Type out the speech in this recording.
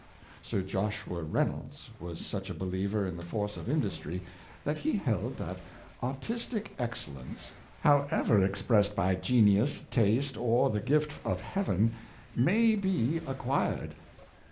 Sir Joshua Reynolds was such a believer in the force of industry, that he held that artistic excellence, " how ever expressed by genius, taste, or the gift of heaven, may be acquired."